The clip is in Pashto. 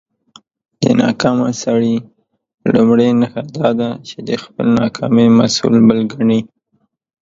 د ناکامه سړى لومړۍ نښه دا ده، چې د خپلى ناکامۍ مسول بل کڼې.